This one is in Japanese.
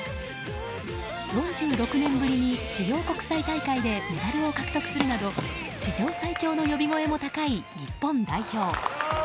４６年ぶりに主要国際大会でメダルを獲得するなど史上最強の呼び声も高い日本代表。